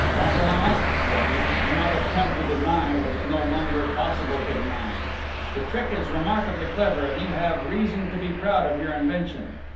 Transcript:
"Fantômas!" said he. "Do not attempt to deny what is no longer possible to deny!... The trick is remarkably clever, and you have reason to be proud of your invention.